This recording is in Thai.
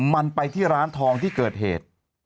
มันไปที่ร้านทองที่เกิดเหตุ